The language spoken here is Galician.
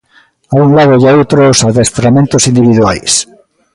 A un lado e a outro, os adestramentos individuais.